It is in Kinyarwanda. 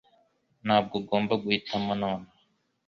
Ntabwo ugomba guhitamo nonaha